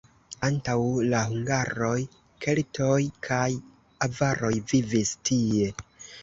Antaŭ la hungaroj keltoj kaj avaroj vivis tie.